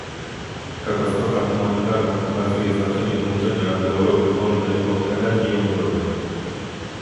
Katastrofa humanitarna pokazuje znaczenie dążenia do Europy wolnej od energii jądrowej